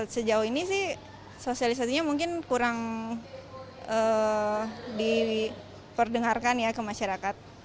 sejauh ini sih sosialisasinya mungkin kurang diperdengarkan ya ke masyarakat